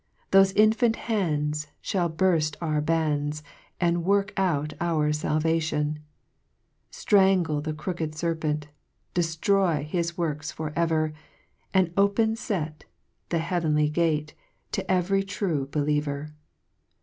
Thofy infant hand", Shall burft our bands, And work out our falvation ; Strangle the crooked ferpent, Dcflroy his works for ever, And open fct,— The heavenly gate, To every true believer.